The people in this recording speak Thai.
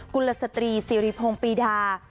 ุลสตรีสิริพงศ์ปีดา